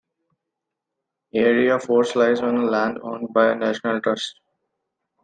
Aira Force lies on land owned by the National Trust.